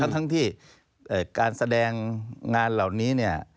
ทั้งที่การแสดงงานเหล่านี้เนี่ย